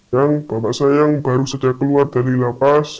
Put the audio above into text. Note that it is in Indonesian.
yang bapak saya yang baru saja keluar dari lapas